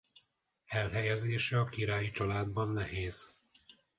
Elhelyezése a királyi családban nehéz.